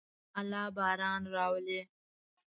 الله باران راولي.